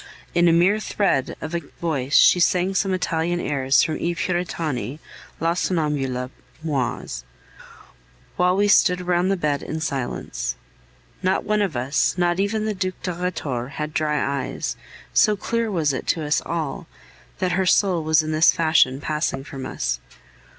In a mere thread of a voice she sang some Italian airs from I Puritani, La Sonnambula, Moise, while we stood round the bed in silence. Not one of us, not even the Duc de Rhetore, had dry eyes, so clear was it to us all that her soul was in this fashion passing from us.